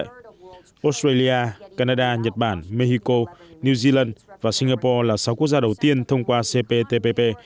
australia canada nhật bản mexico new zealand và singapore là sáu quốc gia đầu tiên thông qua cptpp